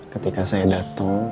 ketika saya dateng